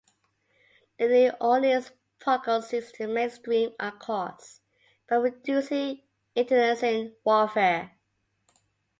The New Orleans Protocol seeks to "mainstream our cause" by reducing internecine warfare.